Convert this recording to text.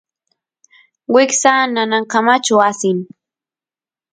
wiksa nanankamachu asin